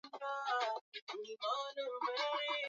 Mashilingi kwenye ngozi